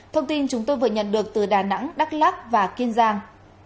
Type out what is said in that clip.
thông tin chúng tôi vừa nhận được từ đà nẵng đắk lắc và kiên giang